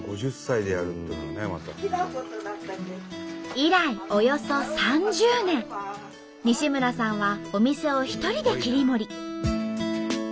以来およそ３０年西村さんはお店を一人で切り盛り。